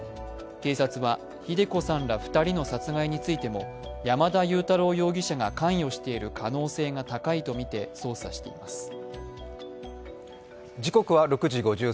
警察は秀子さんら２人の殺害についても山田悠太郎容疑者が関与している可能性が高いとみて捜査しています。